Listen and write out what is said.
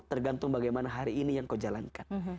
tergantung bagaimana hari ini yang kau jalankan